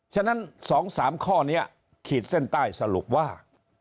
ฉะนั้น๒๓ข้อนี้ขีดเส้นใต้สรุปว่า